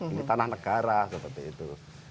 ini tanah negara seperti itu